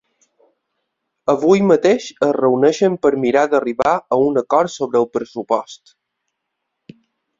Avui mateix es reuneixen per mirar d’arribar a un acord sobre el pressupost.